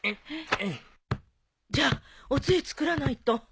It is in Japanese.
じゃあおつゆ作らないと。